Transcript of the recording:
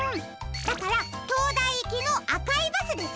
だからとうだいいきのあかいバスですね！